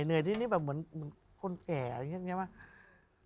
เหนื่อยที่นี่แบบเหมือนคนแก่อะไรอย่างนี้ไหม